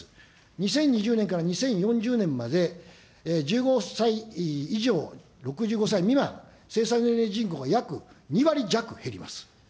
２０２０年から２０４０年まで、１５歳以上６５歳未満、生産年齢人口が約２割弱減ります。